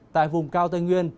tại vùng cao tây nguyên